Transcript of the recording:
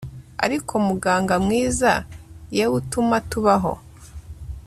ariko, muganga mwiza, yewe utuma tubaho